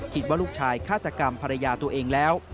คิดว่าลูกชายฆาตกรรมภรรยาตัวเองแล้ว